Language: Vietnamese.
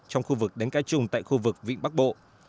trong khu vực đánh cá chung tại khu vực vịnh bắc bộ